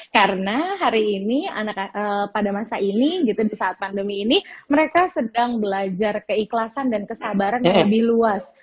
karena hari ini pada masa ini gitu saat pandemi ini mereka sedang belajar keikhlasan dan kesabaran yang lebih luas